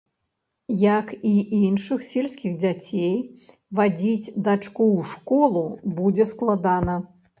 Як і іншых сельскіх дзяцей, вадзіць дачку ў школу будзе складана.